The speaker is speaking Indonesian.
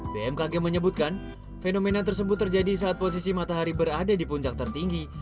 bmkg menyebutkan fenomena tersebut terjadi saat posisi matahari berada di puncak tertinggi